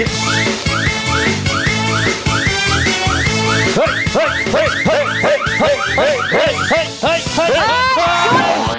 เห้ยเห้ยเห้ย